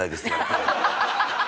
ハハハハ！